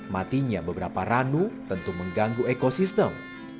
matinya beberapa ranu tentu mengganggu ekosistem